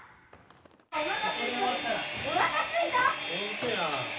おなかすいた！